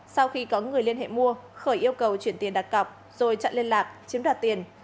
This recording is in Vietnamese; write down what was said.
sau khi có người liên hệ mua khởi yêu cầu chuyển tiền đặt cọc rồi chặn liên lạc chiếm đoạt tiền